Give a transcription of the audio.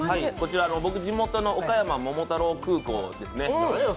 僕、地元の岡山桃太郎空港ですね。